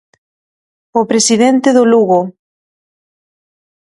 O presidente do Lugo.